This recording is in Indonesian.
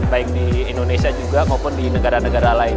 baik di indonesia juga maupun di negara negara lain